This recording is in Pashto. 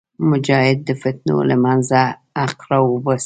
مجاهد د فتنو له منځه حق راوباسي.